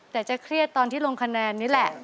แต่จะเครียดตอนที่ลงคะแนนนี่แหละ